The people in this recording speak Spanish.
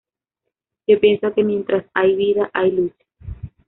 Yo pienso que mientras hay vida hay lucha.